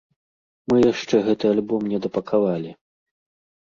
Мы яшчэ гэты альбом недапакавалі.